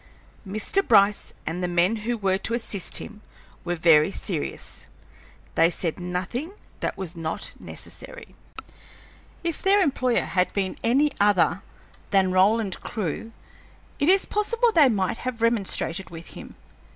Mr. Bryce and the men who were to assist him were very serious. They said nothing that was not necessary. If their employer had been any other man than Roland Clewe it is possible they might have remonstrated with him.